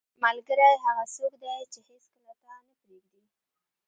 • ملګری هغه څوک دی چې هیڅکله تا نه پرېږدي.